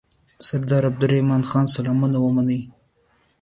سردار عبدالرحمن خان سلامونه ومنئ.